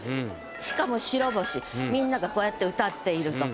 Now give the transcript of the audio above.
しかも「白星」みんながこうやって歌っていると。